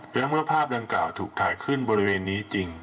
และเมื่อภาพดังกล่าวถูกถ่ายขึ้นบริเวณนี้จริง